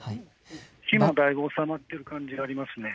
火がだいぶ収まっている感じがありますね。